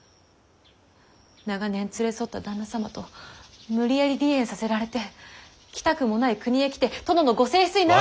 長年連れ添った旦那様と無理やり離縁させられて来たくもない国へ来て殿のご正室になられた。